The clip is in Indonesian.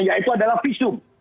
yaitu adalah visum